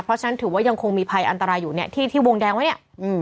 เพราะฉะนั้นถือว่ายังคงมีภัยอันตรายอยู่เนี่ยที่ที่วงแดงไว้เนี่ย